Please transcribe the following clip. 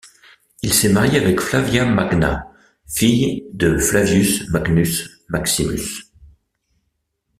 Il s'est marié avec Flavia Magna, fille de Flavius Magnus Maximus.